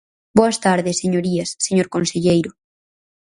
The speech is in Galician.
Boas tardes, señorías, señor conselleiro.